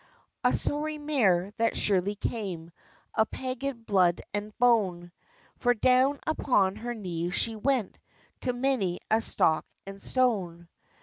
A sorry mare, that surely came Of pagan blood and bone; For down upon her knees she went To many a stock and stone!